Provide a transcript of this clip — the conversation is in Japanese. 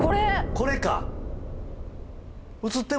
これか！